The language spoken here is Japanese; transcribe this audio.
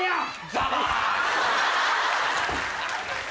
ザバーン！